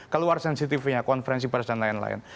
keluar sensitifnya konferensi pers dan lain lain